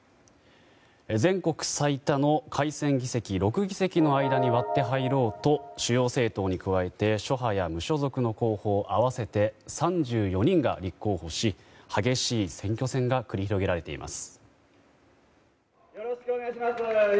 全国最多の改選議席６議席の間に割って入ろうと主要政党に加えて諸派や無所属の候補合わせて３４人が立候補し激しい選挙戦が繰り広げられています。